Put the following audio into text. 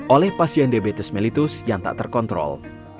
oleh pasien diabetes mellitus yang tak terkontrol